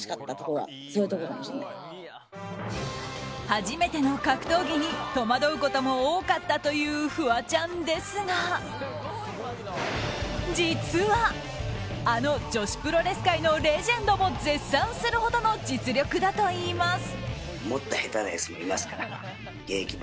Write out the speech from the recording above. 初めての格闘技に戸惑うことも多かったというフワちゃんですが実は、あの女子プロレス界のレジェンドも絶賛するほどの実力だといいます。